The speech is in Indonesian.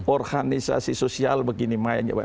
organisasi sosial begini banyak